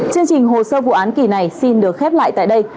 chương trình hồ sơ vụ án kỳ này xin được khép lại tại đây